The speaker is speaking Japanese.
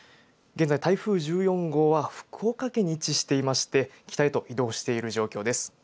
現在、台風１４号は福岡県に位置していまして、北へと移動している状況です。